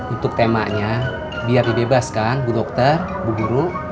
untuk temanya biar dibebaskan bu dokter bu guru